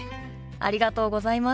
ありがとうございます。